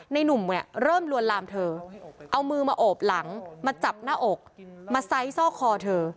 หนุ่มเนี่ยเริ่มลวนลามเธอเอามือมาโอบหลังมาจับหน้าอกมาไซส์ซอกคอเธอ